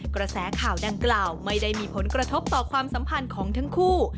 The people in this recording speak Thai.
กระแสข่าวดังกล่าวไม่ได้มีผลกระทบต่อความสัมพันธ์ของทั้งคู่